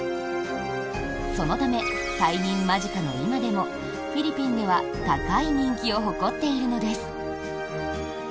そのため、退任間近の今でもフィリピンでは高い人気を誇っているのです。